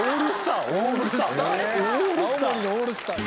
オールスター！